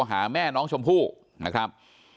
หาแม่น้องชมพู่นะครับ